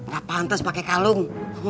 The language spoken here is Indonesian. gak pantas pake kalung